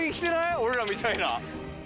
俺らみたいな。